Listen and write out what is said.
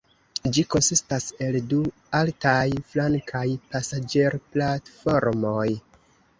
Ĝi konsistas el du altaj flankaj pasaĝerplatformoj.